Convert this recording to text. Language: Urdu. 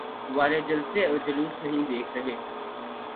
والے جلسے اور جلوس نہیں دیکھ رہے؟